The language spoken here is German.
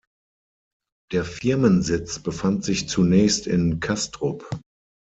Der Firmensitz befand sich zunächst in Kastrup.